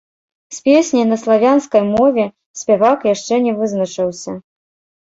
З песняй на славянскай мове спявак яшчэ не вызначыўся.